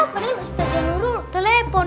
padahal ustaz zanurul telepon